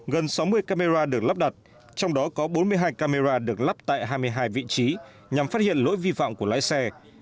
gần sáu mươi camera được lắp đặt trong đó có bốn mươi hai camera được lắp tại hai mươi hai vị trí nhằm phát hiện lỗi vi phạm của lái xe